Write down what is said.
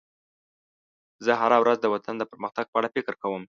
زه هره ورځ د وطن د پرمختګ په اړه فکر کوم.